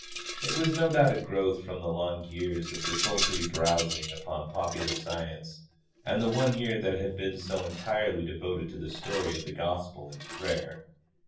It was no doubt a growth from the long years of desultory browsing upon popular science and the one year that had been so entirely devoted to the story of the gospel and to prayer.